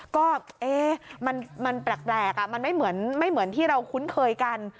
ก็มันแปลกมันไม่เหมือนที่เราคุ้นเคยกัน